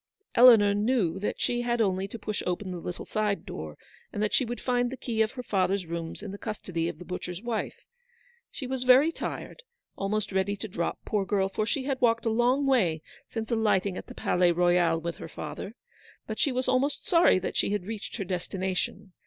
Eleanor knew that she had only to push open the little side door, and that she would find the key of her father's rooms in the custody of the butcher's wife. She was very tired, almost ready to drop, poor girl, for she had walked a long way since alighting at the Palais Royal with her father ; but she was almost sorry that she had reached her destination.